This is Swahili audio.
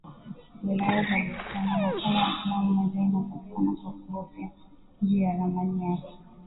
Wilaya za Botswana makala ya kila moja inapatikana kwa kubofya juu ya ramani yake